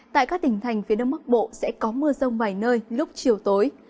tại các tỉnh thành phía đông bắc bộ sẽ có mưa rông vài nơi lúc chiều tối